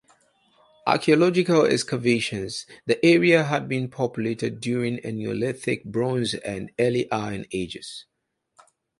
Archaeological excavations the area had been populated during Eneolithic, Bronze and early Iron Ages.